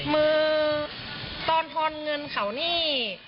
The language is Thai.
มือตอนทอนเงินเขานี่